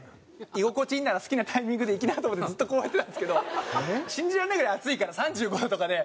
居心地いいなら好きなタイミングで行きなと思ってずっとこうやってたんですけど信じられないぐらい暑いから３５度とかで。